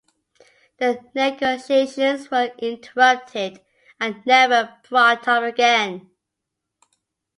The negotiations were interrupted and never brought up again.